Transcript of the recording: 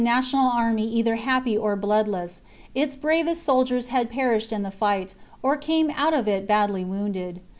63 national army either happy or bloodless ; its bravest chap. soldiers had perished in the fight, or came out of it badly wounded.